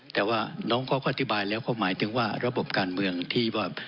แต่ว่าน้องเขาก็อธิบายแล้วเขาหมายถึงว่าระบบการเมืองที่ว่า